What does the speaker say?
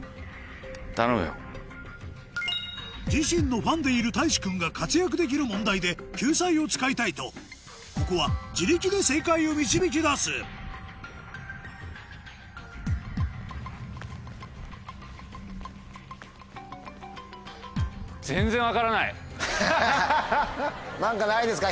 自身のファンでいるたいし君が活躍できる問題で救済を使いたいとここは自力で正解を導き出す何かないですか？